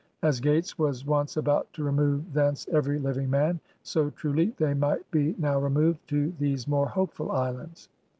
As Gates was once about to remove thence every living man, so truly they might be now removed to these more hopeful islands!"